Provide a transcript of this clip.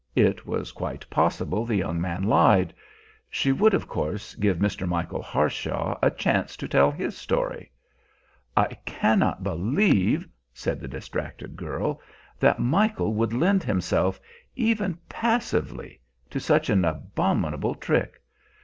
It was quite possible the young man lied. She would, of course, give Mr. Michael Harshaw a chance to tell his story. "I cannot believe," said the distracted girl, "that Michael would lend himself, even passively, to such an abominable trick.